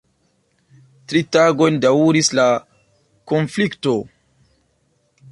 Tri tagojn daŭris la konflikto.